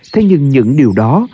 thế nhưng những điều đó